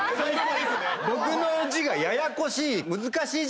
僕の字がややこしい。